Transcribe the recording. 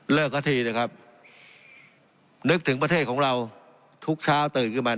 สักทีนะครับนึกถึงประเทศของเราทุกเช้าตื่นขึ้นมา